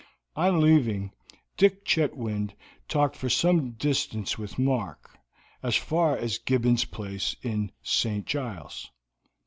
On leaving, Dick Chetwynd walked for some distance with Mark as far as Gibbons' place in St. Giles.